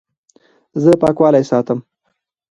زه پاکوالی ساتم.